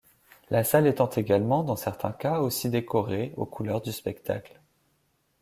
La salle étant également, dans certains cas, aussi décorée aux couleurs du spectacle.